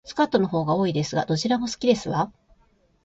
スカートの方が多いですが、どちらも好きですわ